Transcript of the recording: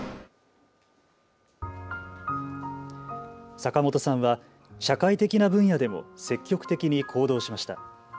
坂本さんは社会的な分野でも積極的に行動しました。